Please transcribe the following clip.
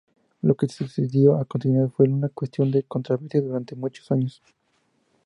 Lo que sucedió a continuación fue una cuestión de controversia durante muchos años.